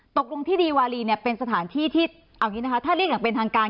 ตกลงที่ดีวารีเนี่ยเป็นสถานที่ที่เอาอย่างนี้นะคะถ้าเรียกอย่างเป็นทางการ